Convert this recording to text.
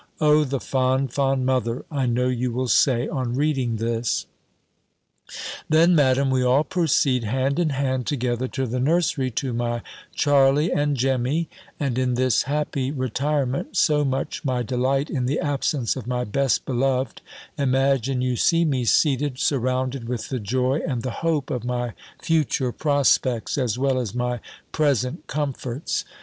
"O the fond, fond mother!" I know you will say, on reading this. Then, Madam, we all proceed, hand in hand, together to the nursery, to my Charley and Jemmy: and in this happy retirement, so much my delight in the absence of my best beloved, imagine you see me seated, surrounded with the joy and the hope of my future prospects, as well as my present comforts.